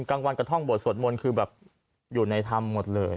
กลางวันกระท่องบวชสวดมนต์คือแบบอยู่ในธรรมหมดเลย